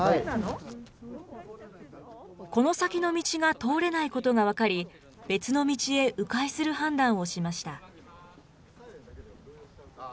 通れないことが分かり、別の道へう回する判断をしました。